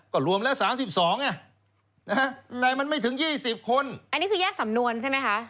ก็รวมแล้ว๓๒ไงแต่มันไม่ถึง๒๐คนอันนี้คือแยกสำนวนใช่ไหมคะ